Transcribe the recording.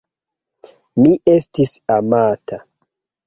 Mi estis amata.